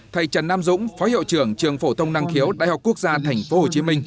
thầy trần nam dũng phó hiệu trưởng trường phổ tông năng khiếu đại học quốc gia tp hcm